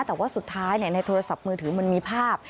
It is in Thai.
แต่ว่าสุดท้ายในโทรศัพท์มือถือมันมีภาพ